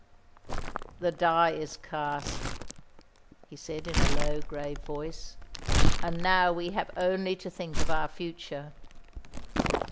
"The die is cast," he said in a low, grave voice, "and now we have only to think of our future."